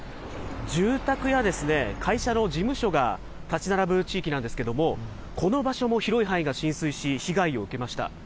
住宅や会社の事務所が建ち並ぶ地域なんですけれども、この場所も広い範囲が浸水し、被害を受けました。